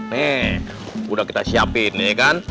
nih udah kita siapin nih kan